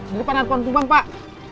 di depan ada pohon tumpang pak